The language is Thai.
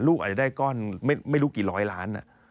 อาจจะได้ก้อนไม่รู้กี่ร้อยล้าน